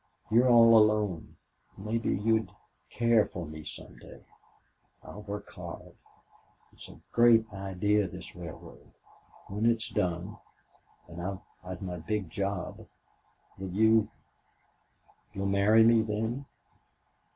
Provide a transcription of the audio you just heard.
You're all alone maybe you'll care for me some day. I'll work hard. It's a great idea this railroad. When it's done and I've my big job will you you'll marry me then?"